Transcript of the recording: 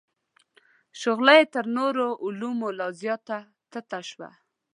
شغله یې تر نورو علومو لا زیاته تته شوه.